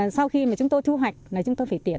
sau khi chúng tôi thu hoạch chúng tôi phải tiệt